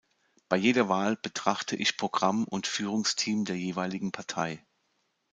Bei jeder Wahl betrachte ich Programm und Führungsteam der jeweiligen Partei.